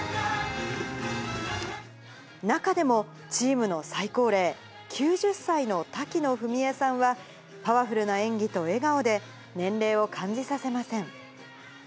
中でもチームの最高齢、９０歳の滝野文恵さんは、パワフルな演技と笑顔で、年齢を感じさせません。